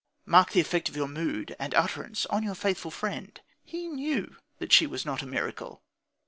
Mark the effect of your mood and utterance on your faithful friend. He knew that she was not a miracle.